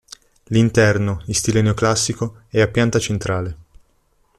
L'interno, in stile neoclassico, è a pianta centrale.